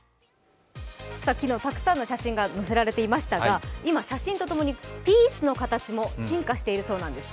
昨日、たくさんの写真が載せられていましたが今、写真とともにピースの形も進化しているそうなんです。